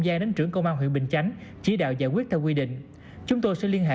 gia đến trưởng công an huyện bình chánh chỉ đạo giải quyết theo quy định chúng tôi sẽ liên hệ